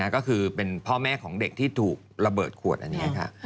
ก็คือเป็นพ่อแม่ของเด็กที่ถูกระเบิดขวดอันนี้ค่ะ